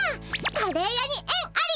カレー屋にえんあり！